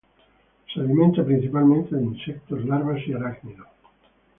Se alimenta principalmente de insectos, larvas y arácnidos.